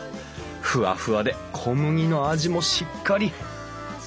フワフワで小麦の味もしっかり！